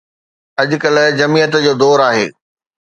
اڄ ڪلهه جمعيت جو دور آهي.